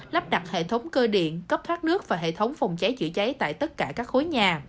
lắp đặt hệ thống cơ điện cấp thoát nước và hệ thống phòng cháy chữa cháy tại tất cả các khối nhà